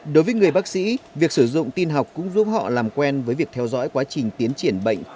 đối với người bác sĩ việc sử dụng tin học cũng giúp họ làm quen với việc theo dõi quá trình tiến triển bệnh